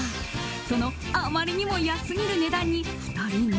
そのあまりにも安すぎる値段に２人も。